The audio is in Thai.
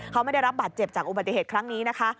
เขาไม่ได้รับบาดเจ็บจากอุบัติเหตุครั้งนี้นะคะ